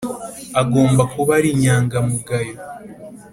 agomba kuba ari inyangamugayo,